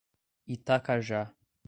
Itacajá